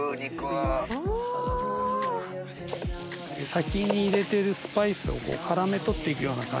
先に入れてるスパイスを絡め取って行くような感じで。